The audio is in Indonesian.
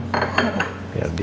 kamu simpel banget